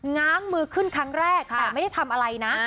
ง้างมือขึ้นครั้งแรกแต่ไม่ได้ทำอะไรนะ